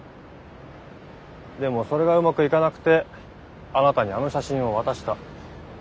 でもそれがうまくいかなくてあなたにあの写真を渡した。